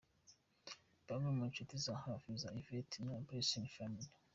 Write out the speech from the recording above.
Bamwe mu nshuti za hafi za Yvette na The Blessing Family.